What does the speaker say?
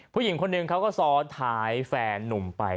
ผู้หญิงคนหนึ่งเขาก็ซ้อนท้ายแฟนนุ่มไป